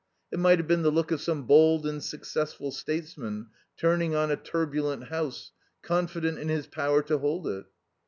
It might have been the look of some bold and successful statesman turning on a turbulent House, confident in his power to hold it.